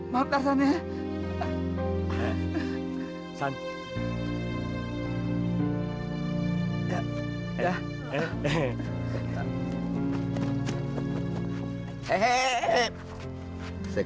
dia tidak akan takut bawan b dng